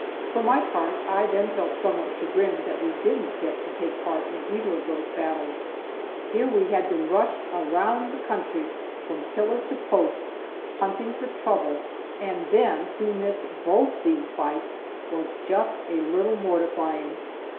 For my part, I then felt somewhat chagrined that we didn't get to take part in either off those battles. Here we had been rushed around the country from pillar to post, hunting for trouble, and then to miss both these fights was just a little mortifying.